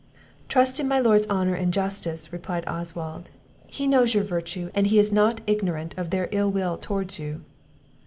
"Trust in my lord's honour and justice," replied Oswald; "he knows your virtue, and he is not ignorant of their ill will towards you."